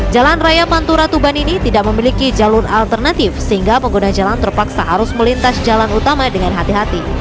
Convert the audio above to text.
jalan raya pantura tuban ini tidak memiliki jalur alternatif sehingga pengguna jalan terpaksa harus melintas jalan utama dengan hati hati